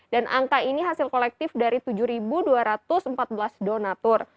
dan angka ini hasil kolektif dari tujuh dua ratus empat belas donatur